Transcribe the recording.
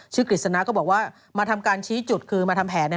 กฤษณะก็บอกว่ามาทำการชี้จุดคือมาทำแผน